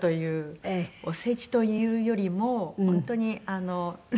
おせちというよりも本当にあの。